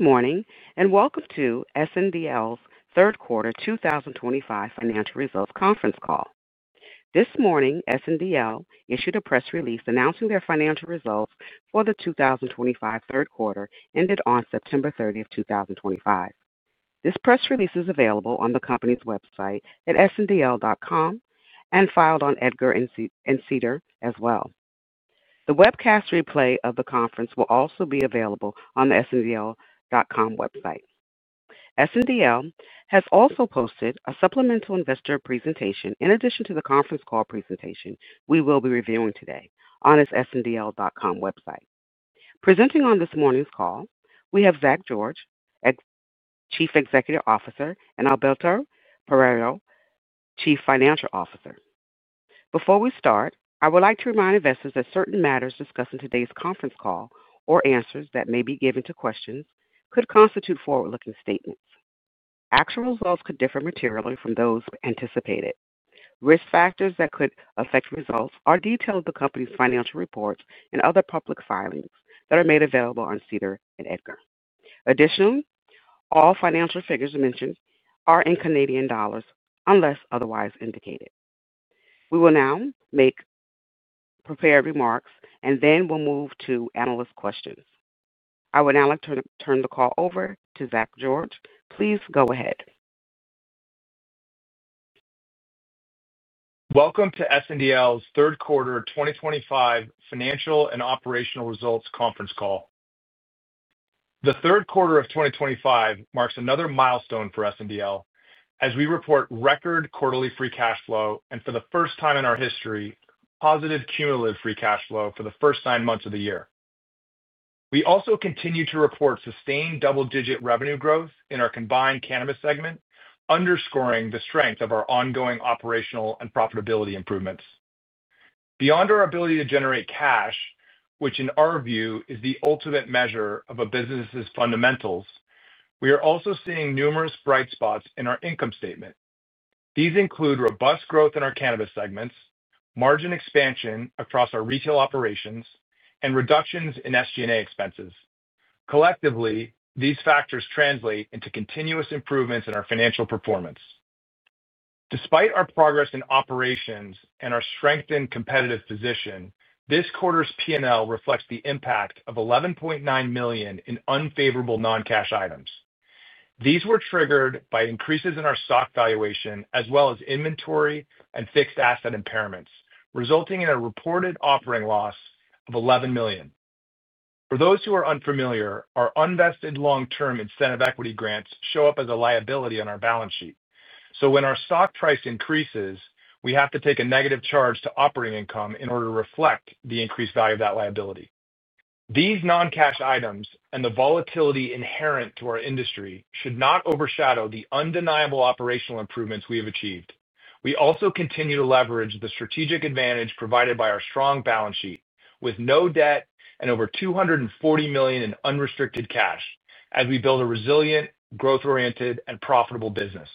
Morning and welcome to SNDL's third quarter 2025 financial results conference call. This morning, SNDL issued a press release announcing their financial results for the 2025 third quarter ended on September 30, 2025. This press release is available on the company's website at sndl.com and filed on EDGAR and SEDAR as well. The webcast replay of the conference will also be available on the sndl.com website. SNDL has also posted a supplemental investor presentation in addition to the conference call presentation we will be reviewing today on its sndl.com website. Presenting on this morning's call, we have Zach George, Chief Executive Officer, and Alberto Paredero, Chief Financial Officer. Before we start, I would like to remind investors that certain matters discussed in today's conference call or answers that may be given to questions could constitute forward-looking statements. Actual results could differ materially from those anticipated. Risk factors that could affect results are detailed in the company's financial reports and other public filings that are made available on SEDAR and EDGAR. Additionally, all financial figures mentioned are in Canadian dollars unless otherwise indicated. We will now make prepared remarks, and then we'll move to analyst questions. I would now like to turn the call over to Zach George. Please go ahead. Welcome to SNDL's third quarter 2025 financial and operational results conference call. The third quarter of 2025 marks another milestone for SNDL as we report record quarterly free cash flow and, for the first time in our history, positive cumulative free cash flow for the first nine months of the year. We also continue to report sustained double-digit revenue growth in our combined cannabis segment, underscoring the strength of our ongoing operational and profitability improvements. Beyond our ability to generate cash, which in our view is the ultimate measure of a business's fundamentals, we are also seeing numerous bright spots in our income statement. These include robust growth in our cannabis segments, margin expansion across our retail operations, and reductions in SG&A expenses. Collectively, these factors translate into continuous improvements in our financial performance. Despite our progress in operations and our strengthened competitive position, this quarter's P&L reflects the impact of 11.9 million in unfavorable non-cash items. These were triggered by increases in our stock valuation as well as inventory and fixed asset impairments, resulting in a reported operating loss of 11 million. For those who are unfamiliar, our unvested long-term incentive equity grants show up as a liability on our balance sheet. So when our stock price increases, we have to take a negative charge to operating income in order to reflect the increased value of that liability. These non-cash items and the volatility inherent to our industry should not overshadow the undeniable operational improvements we have achieved. We also continue to leverage the strategic advantage provided by our strong balance sheet with no debt and over 240 million in unrestricted cash as we build a resilient, growth-oriented, and profitable business.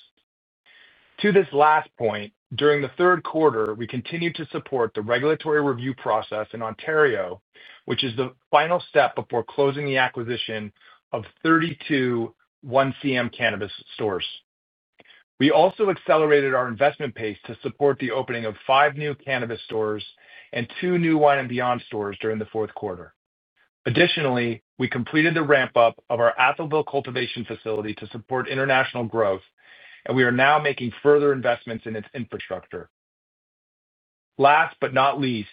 To this last point, during the third quarter, we continued to support the regulatory review process in Ontario, which is the final step before closing the acquisition of 32 1CM cannabis stores. We also accelerated our investment pace to support the opening of five new cannabis stores and two new Wine & Beyond stores during the fourth quarter. Additionally, we completed the ramp-up of our Atholville cultivation facility to support international growth, and we are now making further investments in its infrastructure. Last but not least,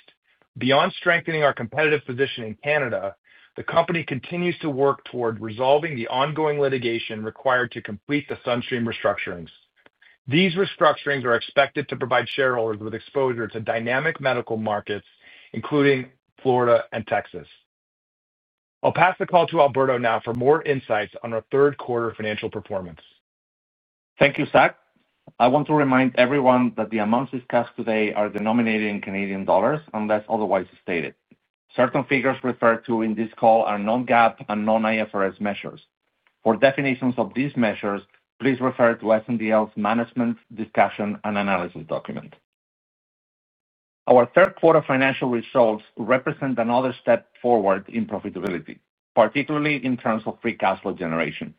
beyond strengthening our competitive position in Canada, the company continues to work toward resolving the ongoing litigation required to complete the Sunstream restructurings. These restructurings are expected to provide shareholders with exposure to dynamic medical markets, including Florida and Texas. I'll pass the call to Alberto now for more insights on our third quarter financial performance. Thank you, Zach. I want to remind everyone that the amounts discussed today are denominated in Canadian dollars unless otherwise stated. Certain figures referred to in this call are non-GAAP and non-IFRS measures. For definitions of these measures, please refer to SNDL's management discussion and analysis document. Our third quarter financial results represent another step forward in profitability, particularly in terms of free cash flow generation.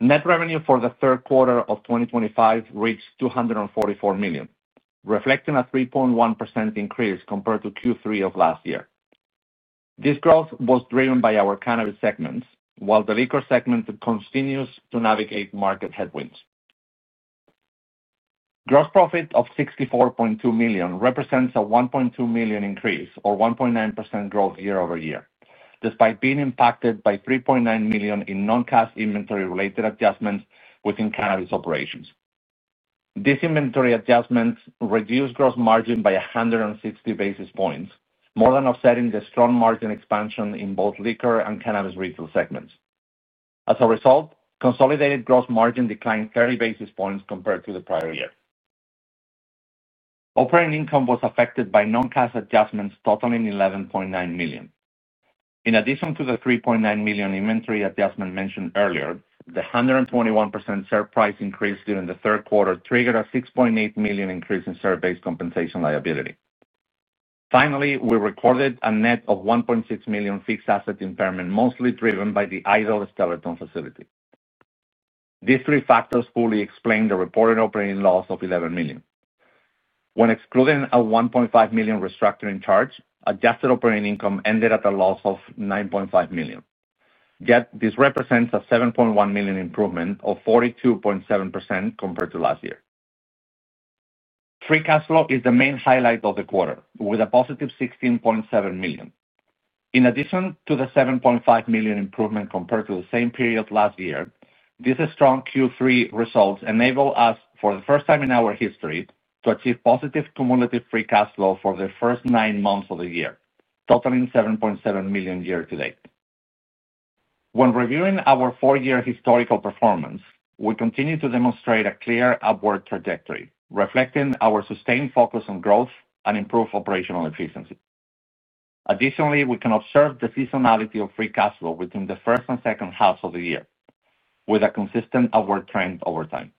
Net revenue for the third quarter of 2025 reached 244 million, reflecting a 3.1% increase compared to Q3 of last year. This growth was driven by our cannabis segments, while the liquor segment continues to navigate market headwinds. Gross profit of 64.2 million represents a 1.2 million increase, or 1.9% growth year-over-year, despite being impacted by 3.9 million in non-cash inventory-related adjustments within cannabis operations. These inventory adjustments reduced gross margin by 160 basis points, more than offsetting the strong margin expansion in both liquor and cannabis retail segments. As a result, consolidated gross margin declined 30 basis points compared to the prior year. Operating income was affected by non-cash adjustments totaling 11.9 million. In addition to the 3.9 million inventory adjustment mentioned earlier, the 121% share price increase during the third quarter triggered a 6.8 million increase in share-based compensation liability. Finally, we recorded a net of 1.6 million fixed asset impairment, mostly driven by the idle Skeleton facility. These three factors fully explain the reported operating loss of 11 million. When excluding a 1.5 million restructuring charge, adjusted operating income ended at a loss of 9.5 million. Yet, this represents a 7.1 million improvement of 42.7% compared to last year. Free cash flow is the main highlight of the quarter, with a positive 16.7 million. In addition to the 7.5 million improvement compared to the same period last year, these strong Q3 results enable us, for the first time in our history, to achieve positive cumulative free cash flow for the first nine months of the year, totaling 7.7 million year-to-date. When reviewing our four-year historical performance, we continue to demonstrate a clear upward trajectory, reflecting our sustained focus on growth and improved operational efficiency. Additionally, we can observe the seasonality of free cash flow within the first and second halves of the year, with a consistent upward trend over time.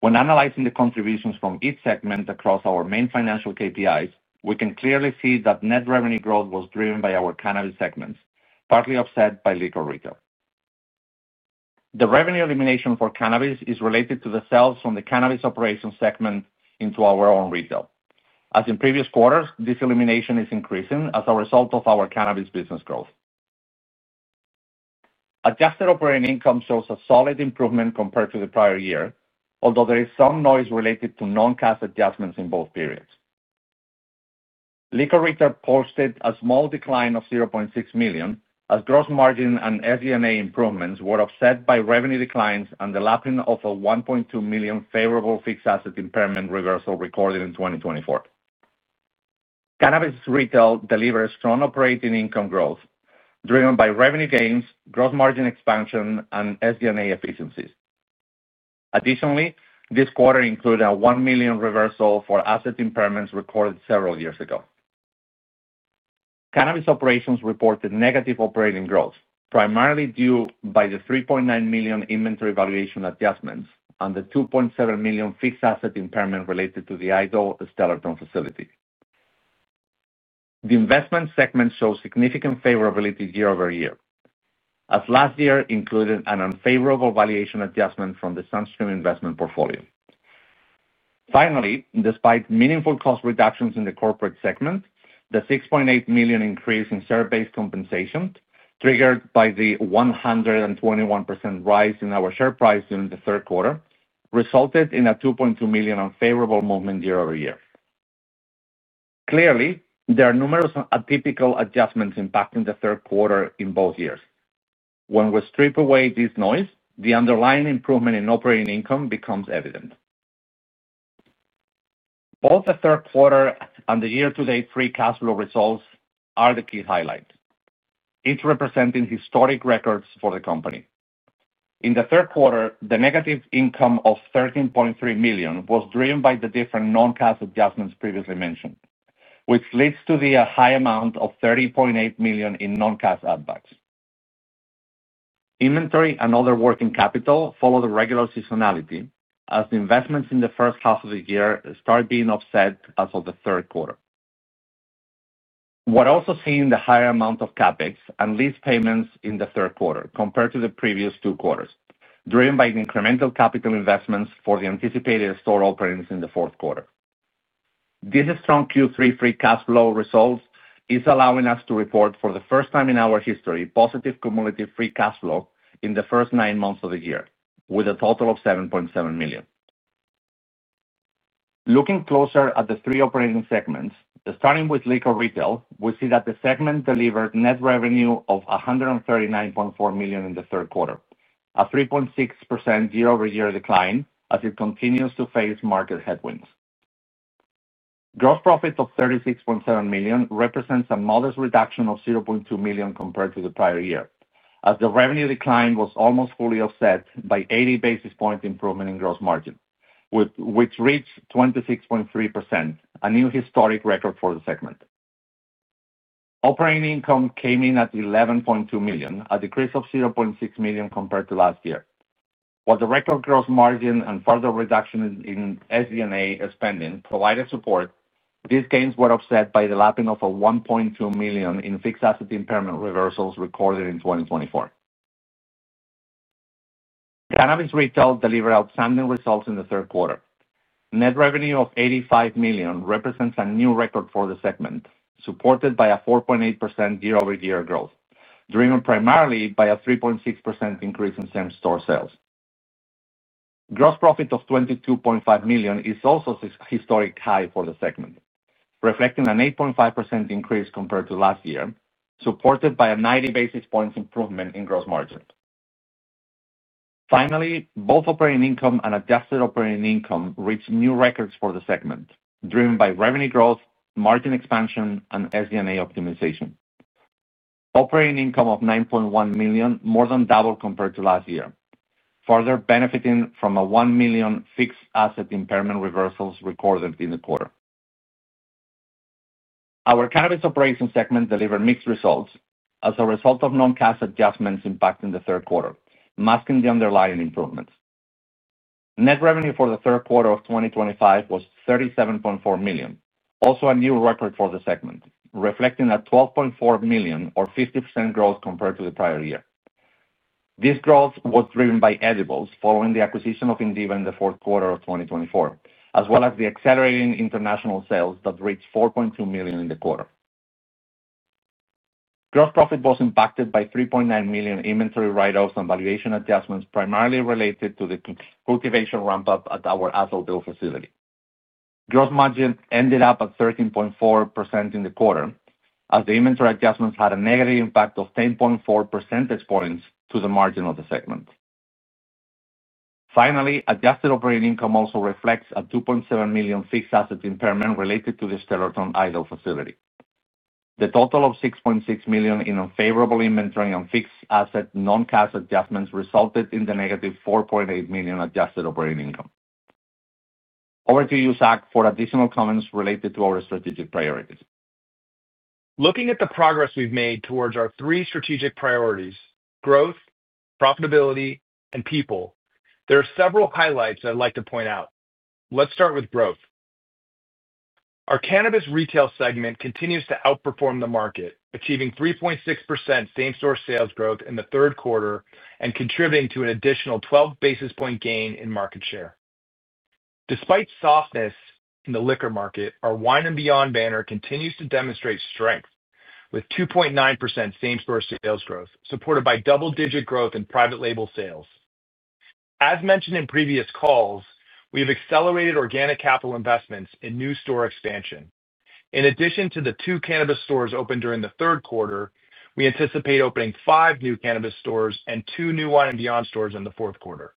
When analyzing the contributions from each segment across our main financial KPIs, we can clearly see that net revenue growth was driven by our cannabis segments, partly offset by liquor retail. The revenue elimination for cannabis is related to the sales from the cannabis operations segment into our own retail. As in previous quarters, this elimination is increasing as a result of our cannabis business growth. Adjusted operating income shows a solid improvement compared to the prior year, although there is some noise related to non-cash adjustments in both periods. Liquor retail posted a small decline of 600,000 as gross margin and SG&A improvements were offset by revenue declines and the lapping of a 1.2 million favorable fixed asset impairment reversal recorded in 2024. Cannabis retail delivered strong operating income growth driven by revenue gains, gross margin expansion, and SG&A efficiencies. Additionally, this quarter included a 1 million reversal for asset impairments recorded several years ago. Cannabis operations reported negative operating growth, primarily due to the 3.9 million inventory valuation adjustments and the 2.7 million fixed asset impairment related to the idle Skeleton facility. The investment segment shows significant favorability year-over-year, as last year included an unfavorable valuation adjustment from the Sunstream investment portfolio. Finally, despite meaningful cost reductions in the corporate segment, the 6.8 million increase in share-based compensation, triggered by the 121% rise in our share price during the third quarter, resulted in a 2.2 million unfavorable movement year-over-year. Clearly, there are numerous atypical adjustments impacting the third quarter in both years. When we strip away this noise, the underlying improvement in operating income becomes evident. Both the third quarter and the year-to-date free cash flow results are the key highlights, each representing historic records for the company. In the third quarter, the negative income of 13.3 million was driven by the different non-cash adjustments previously mentioned, which leads to the high amount of 30.8 million in non-cash add-backs. Inventory and other working capital follow the regular seasonality as the investments in the first half of the year start being offset as of the third quarter. We're also seeing the higher amount of CapEx and lease payments in the third quarter compared to the previous two quarters, driven by incremental capital investments for the anticipated store openings in the fourth quarter. These strong Q3 free cash flow results is allowing us to report, for the first time in our history, positive cumulative free cash flow in the first nine months of the year, with a total of 7.7 million. Looking closer at the three operating segments, starting with liquor retail, we see that the segment delivered net revenue of 139.4 million in the third quarter, a 3.6% year-over-year decline as it continues to face market headwinds. Gross profit of 36.7 million represents a modest reduction of 200,000 compared to the prior year, as the revenue decline was almost fully offset by 80 basis point improvement in gross margin, which reached 26.3%, a new historic record for the segment. Operating income came in at 11.2 million, a decrease of 600,000 compared to last year. While the record gross margin and further reduction in SG&A spending provided support, these gains were offset by the lapping of 1.2 million in fixed asset impairment reversals recorded in 2024. Cannabis retail delivered outstanding results in the third quarter. Net revenue of 85 million represents a new record for the segment, supported by a 4.8% year-over-year growth, driven primarily by a 3.6% increase in same-store sales. Gross profit of 22.5 million is also a historic high for the segment, reflecting an 8.5% increase compared to last year, supported by a 90 basis points improvement in gross margin. Finally, both operating income and adjusted operating income reached new records for the segment, driven by revenue growth, margin expansion, and SG&A optimization. Operating income of 9.1 million more than doubled compared to last year, further benefiting from a 1 million fixed asset impairment reversals recorded in the quarter. Our cannabis operations segment delivered mixed results as a result of non-cash adjustments impacting the third quarter, masking the underlying improvements. Net revenue for the third quarter of 2025 was 37.4 million, also a new record for the segment, reflecting a 12.4 million, or 50% growth, compared to the prior year. This growth was driven by edibles following the acquisition of Indiva in the fourth quarter of 2024, as well as the accelerating international sales that reached 4.2 million in the quarter. Gross profit was impacted by 3.9 million inventory write-offs and valuation adjustments primarily related to the cultivation ramp-up at our Atholville facility. Gross margin ended up at 13.4% in the quarter, as the inventory adjustments had a negative impact of 10.4 percentage points to the margin of the segment. Finally, adjusted operating income also reflects a 2.7 million fixed asset impairment related to the Skeleton idle facility. The total of 6.6 million in unfavorable inventory and fixed asset non-cash adjustments resulted in the -4.8 million adjusted operating income. Over to you, Zach, for additional comments related to our strategic priorities. Looking at the progress we've made towards our three strategic priorities: growth, profitability, and people, there are several highlights I'd like to point out. Let's start with growth. Our cannabis retail segment continues to outperform the market, achieving 3.6% same-store sales growth in the third quarter and contributing to an additional 12 basis points gain in market share. Despite softness in the liquor market, our Wine & Beyond banner continues to demonstrate strength, with 2.9% same-store sales growth, supported by double-digit growth in private label sales. As mentioned in previous calls, we have accelerated organic capital investments in new store expansion. In addition to the two cannabis stores opened during the third quarter, we anticipate opening five new cannabis stores and two new Wine & Beyond stores in the fourth quarter.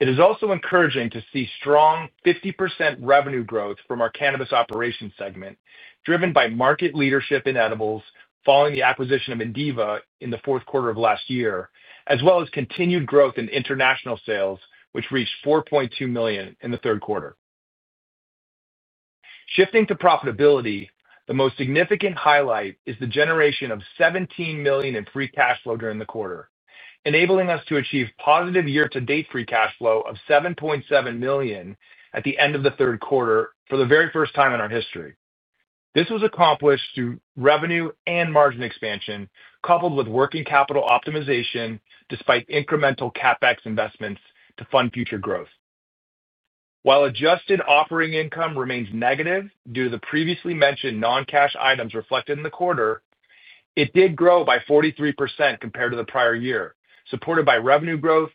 It is also encouraging to see strong 50% revenue growth from our cannabis operations segment, driven by market leadership in edibles following the acquisition of Indiva in the fourth quarter of last year, as well as continued growth in international sales, which reached 4.2 million in the third quarter. Shifting to profitability, the most significant highlight is the generation of 17 million in free cash flow during the quarter, enabling us to achieve positive year-to-date free cash flow of 7.7 million at the end of the third quarter for the very first time in our history. This was accomplished through revenue and margin expansion, coupled with working capital optimization despite incremental CapEx investments to fund future growth. While adjusted operating income remains negative due to the previously mentioned non-cash items reflected in the quarter, it did grow by 43% compared to the prior year, supported by revenue growth,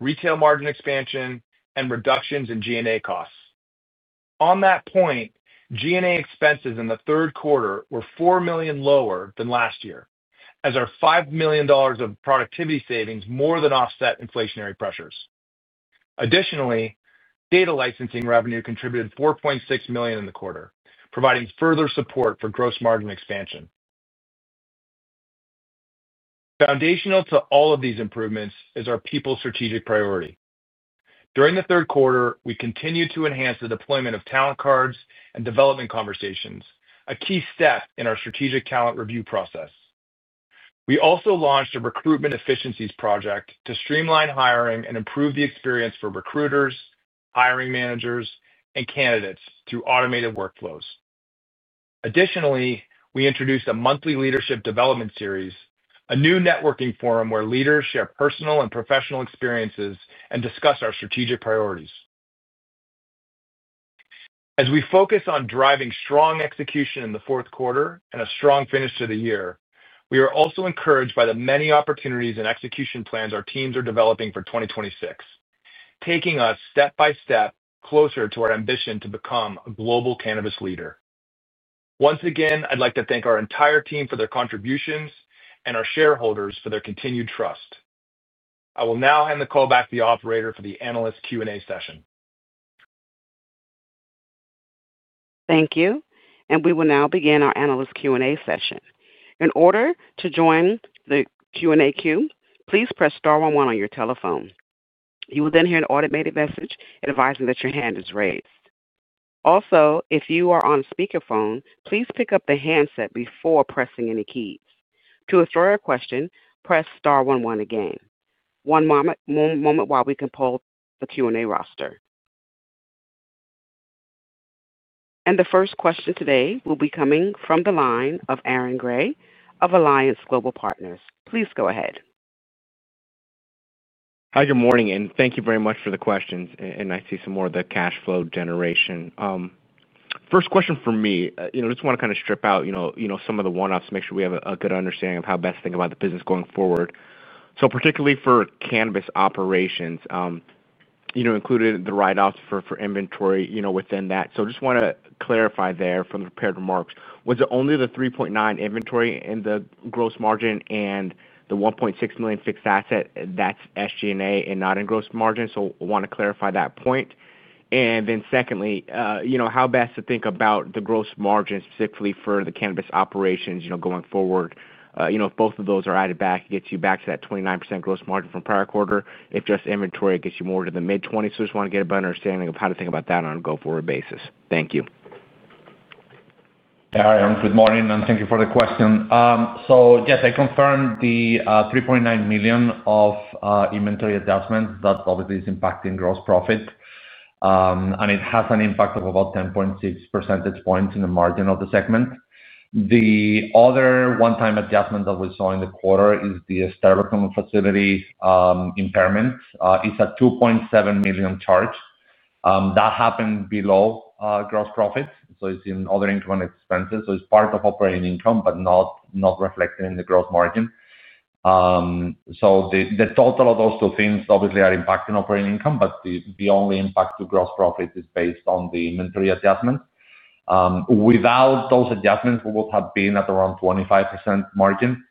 retail margin expansion, and reductions in G&A costs. On that point, G&A expenses in the third quarter were 4 million lower than last year, as our 5 million dollars of productivity savings more than offset inflationary pressures. Additionally, data licensing revenue contributed 4.6 million in the quarter, providing further support for gross margin expansion. Foundational to all of these improvements is our people strategic priority. During the third quarter, we continued to enhance the deployment of talent cards and development conversations, a key step in our strategic talent review process. We also launched a recruitment efficiencies project to streamline hiring and improve the experience for recruiters, hiring managers, and candidates through automated workflows. Additionally, we introduced a monthly leadership development series, a new networking forum where leaders share personal and professional experiences and discuss our strategic priorities. As we focus on driving strong execution in the fourth quarter and a strong finish to the year, we are also encouraged by the many opportunities and execution plans our teams are developing for 2026, taking us step by step closer to our ambition to become a global cannabis leader. Once again, I'd like to thank our entire team for their contributions and our shareholders for their continued trust. I will now hand the call back to the operator for the analyst Q&A session. Thank you. We will now begin our analyst Q&A session. In order to join the Q&A queue, please press star one one on your telephone. You will then hear an automated message advising that your hand is raised. Also, if you are on speakerphone, please pick up the handset before pressing any keys. To assure a question, press star one one again. One moment while we can pull the Q&A roster. The first question today will be coming from the line of Aaron Grey of Alliance Global Partners. Please go ahead. Hi, good morning, and thank you very much for the questions. And I see some more of the cash flow generation. First question for me, I just want to kind of strip out some of the one-offs to make sure we have a good understanding of how best to think about the business going forward. So particularly for cannabis operations. Included the write-offs for inventory within that. So I just want to clarify there from the prepared remarks. Was it only the 3.9 million inventory in the gross margin and the 1.6 million fixed asset? That's SG&A and not in gross margin. So I want to clarify that point. And then secondly, how best to think about the gross margin, specifically for the cannabis operations going forward. If both of those are added back, it gets you back to that 29% gross margin from prior quarter. If just inventory, it gets you more to the mid-20s. So I just want to get a better understanding of how to think about that on a go-forward basis. Thank you. Hi, Aaron. Good morning. And thank you for the question. So yes, I confirmed the 3.9 million of inventory adjustment. That obviously is impacting gross profit. And it has an impact of about 10.6 percentage points in the margin of the segment. The other one-time adjustment that we saw in the quarter is the Skeleton facility impairment. It's a 2.7 million charge. That happened below gross profits. So it's in other incremental expenses. So it's part of operating income, but not reflected in the gross margin. So the total of those two things obviously are impacting operating income, but the only impact to gross profit is based on the inventory adjustments. Without those adjustments, we would have been at around 25% margin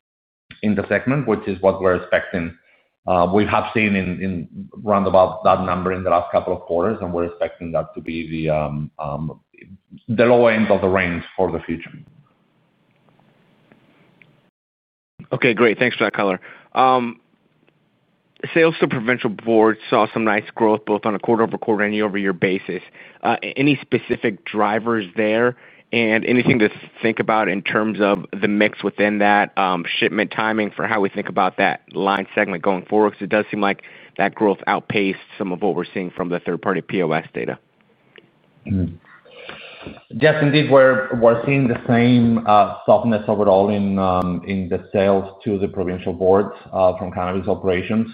in the segment, which is what we're expecting. We have seen in round about that number in the last couple of quarters, and we're expecting that to be the low end of the range for the future. Okay. Great. Thanks for that, Color. Sales to provincial boards saw some nice growth both on a quarter-over-quarter and year-over-year basis. Any specific drivers there and anything to think about in terms of the mix within that shipment timing for how we think about that line segment going forward? Because it does seem like that growth outpaced some of what we're seeing from the third-party POS data. Yes, indeed. We're seeing the same softness overall in the sales to the provincial boards from cannabis operations.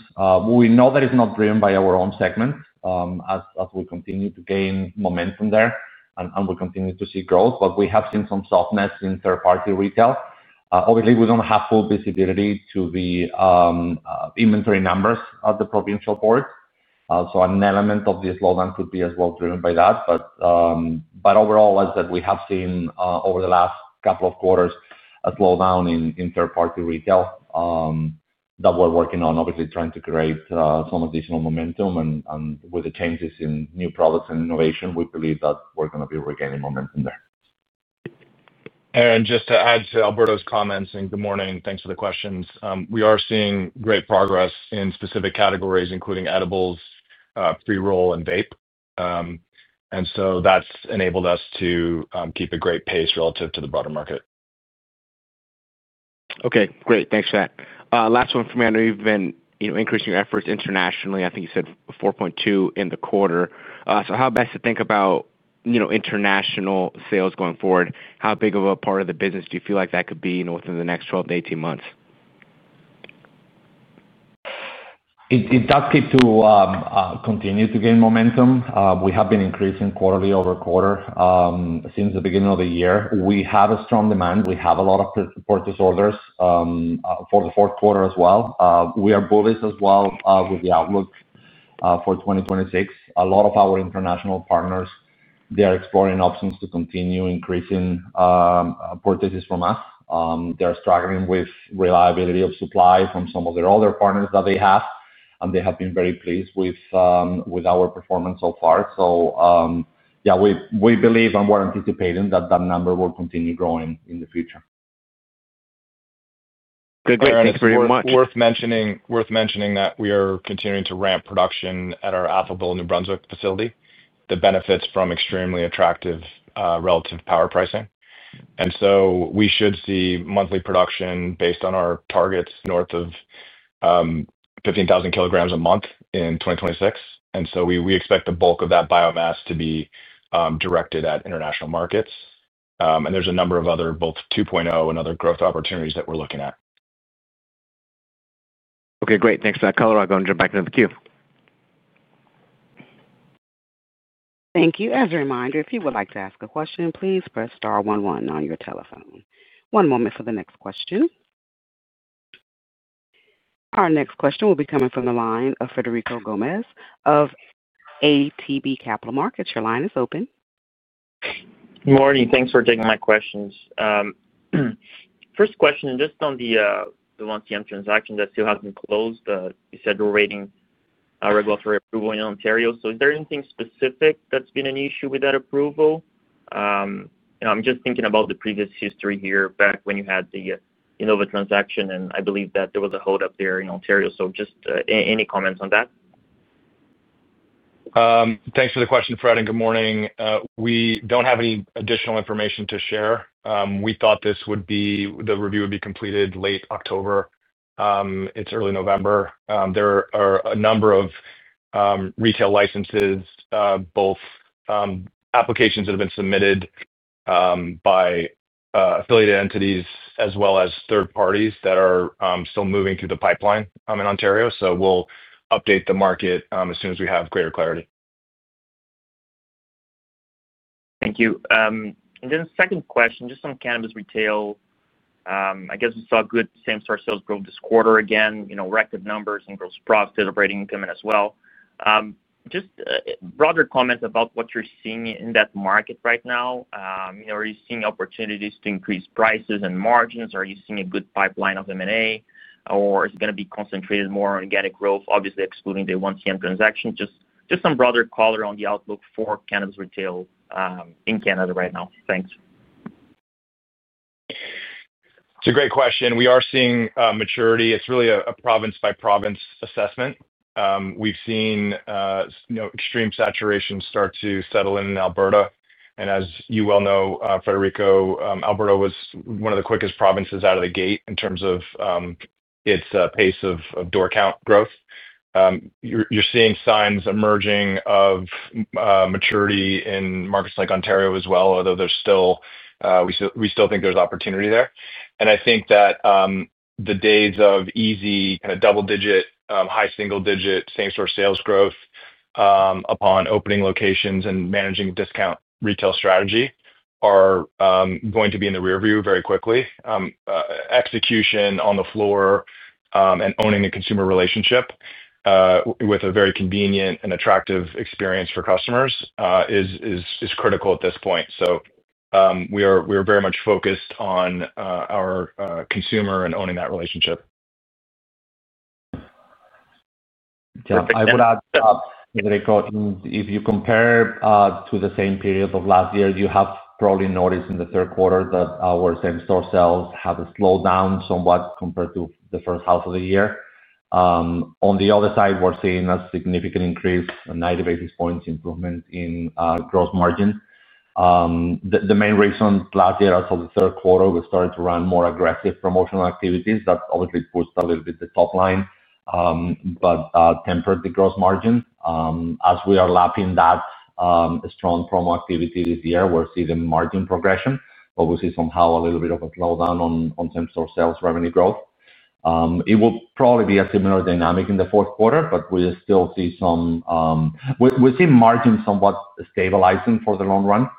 We know that it's not driven by our own segment. As we continue to gain momentum there and we continue to see growth, but we have seen some softness in third-party retail. Obviously, we don't have full visibility to the inventory numbers at the provincial boards. So an element of the slowdown could be as well driven by that. But overall, as we have seen over the last couple of quarters, a slowdown in third-party retail that we're working on, obviously trying to create some additional momentum. And with the changes in new products and innovation, we believe that we're going to be regaining momentum there. Aaron, just to add to Alberto's comments, and good morning, thanks for the questions. We are seeing great progress in specific categories, including edibles, pre-roll, and vape. And so that's enabled us to keep a great pace relative to the broader market. Okay. Great. Thanks for that. Last one for me. I know you've been increasing your efforts internationally. I think you said 4.2 million in the quarter. So how best to think about international sales going forward? How big of a part of the business do you feel like that could be within the next 12-18 months? It's up to continue to gain momentum. We have been increasing quarter-over-quarter since the beginning of the year. We have strong demand. We have a lot of purchase orders for the fourth quarter as well. We are bullish as well with the outlook for 2026. A lot of our international partners, they are exploring options to continue increasing purchases from us. They're struggling with reliability of supply from some of their other partners that they have. And they have been very pleased with our performance so far. So yeah, we believe and we're anticipating that that number will continue growing in the future. Aaron, it's worth mentioning that we are continuing to ramp production at our Atholville, New Brunswick facility, the benefits from extremely attractive relative power pricing. And so we should see monthly production based on our targets north of 15,000 kg a month in 2026. And so we expect the bulk of that biomass to be directed at international markets. And there's a number of other both 2.0 and other growth opportunities that we're looking at. Okay. Great. Thanks for that, Color. I'll go and jump back into the queue. Thank you. As a reminder, if you would like to ask a question, please press star one one on your telephone. One moment for the next question. Our next question will be coming from the line of Frederico Gomes of ATB Capital Markets. Your line is open. Good morning. Thanks for taking my questions. First question, just on the 1CM transaction that still hasn't closed, you said we're waiting for our regulatory approval in Ontario. So is there anything specific that's been an issue with that approval? I'm just thinking about the previous history here back when you had the Indiva transaction, and I believe that there was a hold-up there in Ontario. So just any comments on that? Thanks for the question, Fred. Good morning. We don't have any additional information to share. We thought the review would be completed late October. It's early November. There are a number of retail licenses, both applications that have been submitted by affiliated entities as well as third parties that are still moving through the pipeline in Ontario. So we'll update the market as soon as we have greater clarity. Thank you. And then second question, just on cannabis retail. I guess we saw good same-store sales growth this quarter again, record numbers in gross profit and operating income as well. Just broader comments about what you're seeing in that market right now. Are you seeing opportunities to increase prices and margins? Are you seeing a good pipeline of M&A? Or is it going to be concentrated more on organic growth, obviously excluding the 1CM transaction? Just some broader color on the outlook for cannabis retail in Canada right now. Thanks. It's a great question. We are seeing maturity. It's really a province-by-province assessment. We've seen extreme saturation start to settle in in Alberta, and as you well know, Frederico, Alberta was one of the quickest provinces out of the gate in terms of its pace of door count growth. You're seeing signs emerging of maturity in markets like Ontario as well, although there's still we still think there's opportunity there, and I think that the days of easy kind of double-digit, high single-digit, same-store sales growth upon opening locations and managing discount retail strategy are going to be in the rearview very quickly. Execution on the floor and owning a consumer relationship with a very convenient and attractive experience for customers is critical at this point, so we are very much focused on our consumer and owning that relationship. I would add, Frederico, if you compare to the same period of last year, you have probably noticed in the third quarter that our same-store sales have slowed down somewhat compared to the first half of the year. On the other side, we're seeing a significant increase, a 90 basis points improvement in gross margin. The main reason last year, as of the third quarter, we started to run more aggressive promotional activities. That obviously pushed a little bit the top line. But tempered the gross margin. As we are lapping that strong promo activity this year, we're seeing margin progression. But we see somehow a little bit of a slowdown on same-store sales revenue growth. It will probably be a similar dynamic in the fourth quarter, but we still see some. We see margins somewhat stabilizing for the long run.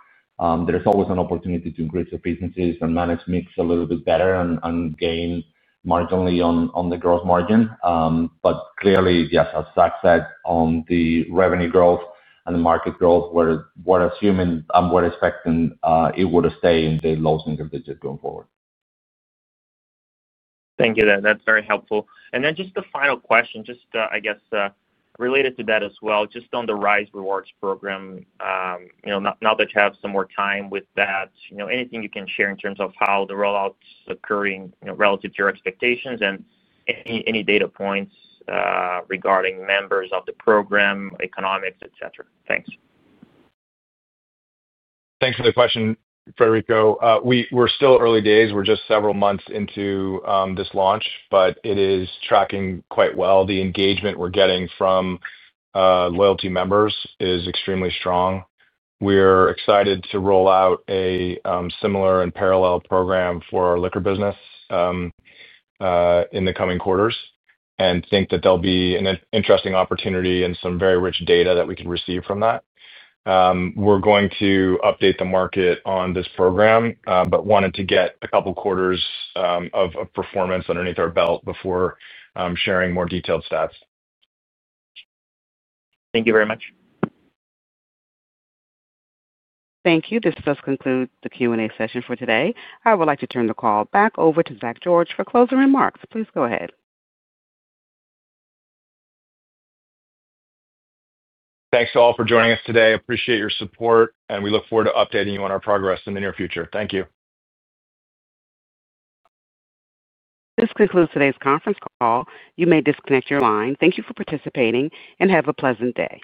There's always an opportunity to increase efficiencies and manage mix a little bit better and gain marginally on the gross margin. But clearly, yes, as Zach said, on the revenue growth and the market growth, we're assuming and we're expecting it would stay in the low single digit going forward. Thank you. That's very helpful. And then just the final question, just I guess related to that as well, just on the RISE rewards program. Now that you have some more time with that, anything you can share in terms of how the rollout's occurring relative to your expectations and any data points regarding members of the program, economics, etc.? Thanks. Thanks for the question, Frederico. We're still early days. We're just several months into this launch, but it is tracking quite well. The engagement we're getting from loyalty members is extremely strong. We're excited to roll out a similar and parallel program for our liquor business. In the coming quarters and think that there'll be an interesting opportunity and some very rich data that we can receive from that. We're going to update the market on this program, but wanted to get a couple of quarters of performance underneath our belt before sharing more detailed stats. Thank you very much. Thank you. This does conclude the Q&A session for today. I would like to turn the call back over to Zach George for closing remarks. Please go ahead. Thanks to all for joining us today. Appreciate your support, and we look forward to updating you on our progress in the near future. Thank you. This concludes today's conference call. You may disconnect your line. Thank you for participating and have a pleasant day.